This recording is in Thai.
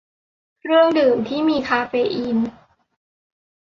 เครื่องดื่มที่มีคาเฟอีน